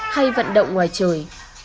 hay vận động ngoài trời